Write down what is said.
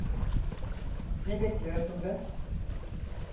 Ne bekliyorsun be!